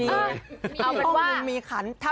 ใครออกแบบห้องน้ำวะ